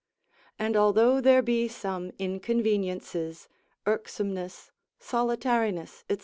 And although there be some inconveniences, irksomeness, solitariness, &c.